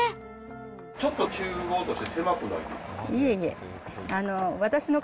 ちょっとちゅう房として狭くないですか？